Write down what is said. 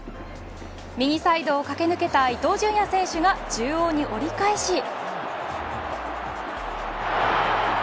右サイドを駆け抜けた伊東純也選手が中央に折り返し。